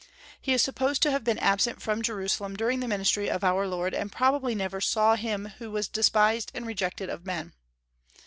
He is supposed to have been absent from Jerusalem during the ministry of our Lord, and probably never saw him who was despised and rejected of men.